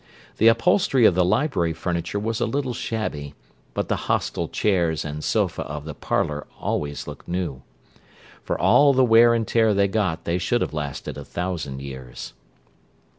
The upholstery of the library furniture was a little shabby; but the hostile chairs and sofa of the "parlour" always looked new. For all the wear and tear they got they should have lasted a thousand years.